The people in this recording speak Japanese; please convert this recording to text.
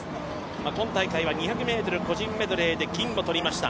今大会は２００ｍ個人メドレーで銀を取りました。